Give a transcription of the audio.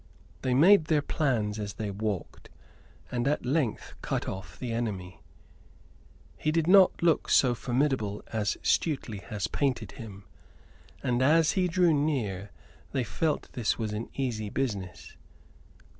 They made their plans as they walked, and at length cut off the enemy. He did not look so formidable as Stuteley had painted him; and as he drew near they felt this was an easy business.